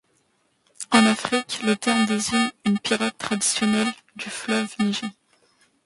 En Afrique, le terme désigne une pirogue traditionnelle du fleuve Niger.